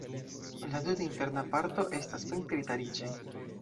La tuta interna parto estas pentrita riĉe.